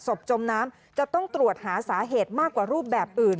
จมน้ำจะต้องตรวจหาสาเหตุมากกว่ารูปแบบอื่น